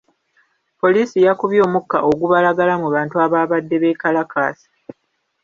Poliisi yakubye omukka ogubalagala mu bantu abaabadde beekalakaasa.